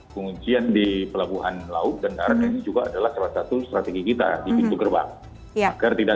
perubahan laut dan arang ini juga adalah salah satu strategi kita di pintu gerbang agar tidak